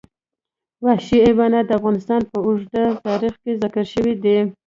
وحشي حیوانات د افغانستان په اوږده تاریخ کې ذکر شوی دی.